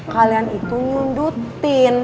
kalian itu nyundutin